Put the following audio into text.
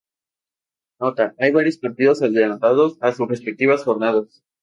Nota.- Hay varios partidos adelantados a sus respectivas jornadas.